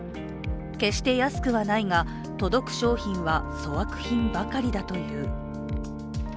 決して安くはないが、届く商品は粗悪品ばかりだという。